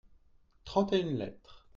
trente et une lettres.